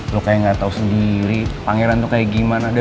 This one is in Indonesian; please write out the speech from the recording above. lo kayak gak tau sendiri pangeran tuh kayak gimana